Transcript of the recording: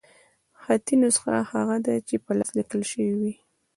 خطي نسخه هغه ده، چي په لاس ليکل سوې يي.